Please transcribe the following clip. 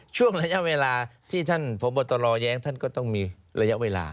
ช่วงระยะเวลาที่ท่านพบตรแย้งท่านก็ต้องมีระยะเวลา